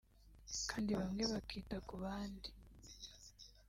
kandi bamwe bakita ku bandi